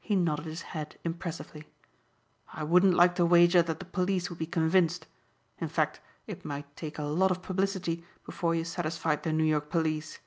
He nodded his head impressively. "I wouldn't like to wager that the police would be convinced. In fact it might take a lot of publicity before you satisfied the New York police."